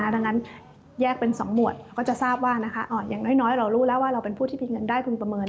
ดังนั้นแยกเป็น๒หมวดก็จะทราบว่าอย่างน้อยเรารู้แล้วว่าเราเป็นผู้ที่มีเงินได้พึงประเมิน